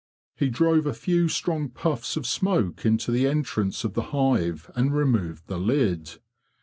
He drove a few strong puffs of smoke into the entrance of the hive and removed the lid.